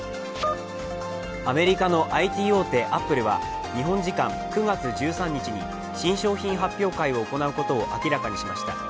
アメリカのＩＴ大手アップルは日本時間９月１３日に新商品発表会を行うことを明らかにしました。